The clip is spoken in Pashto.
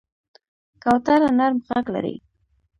کوتره نرم غږ لري.